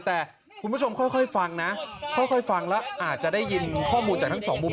แต่คุณผู้ชมค่อยฟังนะค่อยฟังแล้วอาจจะได้ยินข้อมูลจากทั้งสองมุม